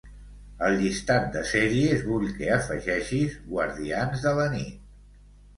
Al llistat de sèries vull que afegeixis "Guardians de la nit".